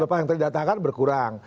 berapa yang terdatakan berkurang